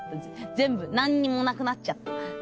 全部何にもなくなっちゃった。